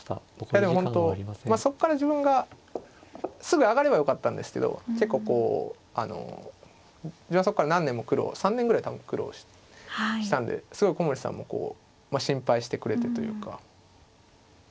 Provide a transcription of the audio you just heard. いやでも本当そっから自分がすぐ上がればよかったんですけど結構こう自分はそこから何年も苦労３年ぐらい多分苦労したんですごい古森さんもこう心配してくれてというか。